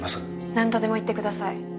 なんとでも言ってください。